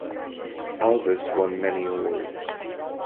Alves won many awards.